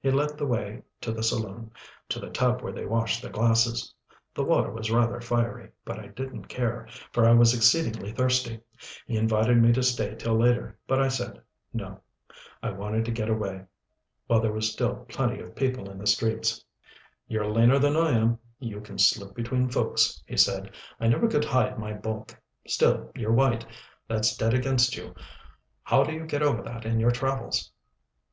He led the way to the saloon to the tub where they washed the glasses. The water was rather fiery, but I didn't care, for I was exceedingly thirsty. He invited me to stay till later, but I said, "No." I wanted to get away, while there were still plenty of people in the streets. [Illustration: "YOU MUST HAVE A DRINK FIRST," SAID GRINGO HOSPITABLY] "You're leaner than I am, you can slip between folks," he said. "I never could hide my bulk. Still you're white that's dead against you. How do you get over that in your travels?"